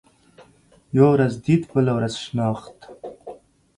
يوه ورځ ديد ، بله ورځ شناخت.